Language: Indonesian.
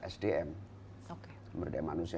sdm pemerintah manusia